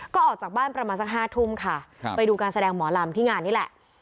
ก็ออกจากบ้านประมาณสัก๕ทุ่มค่ะไปดูการแสดงหมอลำที่งานนี่แหละ